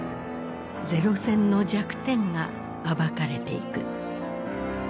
零戦の弱点が暴かれていく。